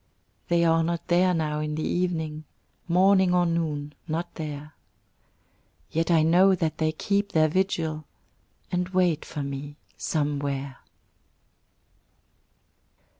They are not there now in the evening Morning or noon not there; Yet I know that they keep their vigil, And wait for me Somewhere.